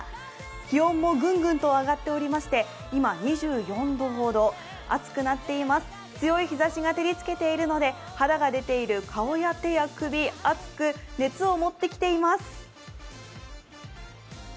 気温もグングンと上がっておりまして、今、２４度ほど暑くなっています、強い日ざしが照りつけているので肌が出ている顔や手や首、熱く、熱をもってきています。